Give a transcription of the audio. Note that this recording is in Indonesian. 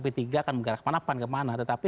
p tiga akan bergerak kemana pan kemana tetapi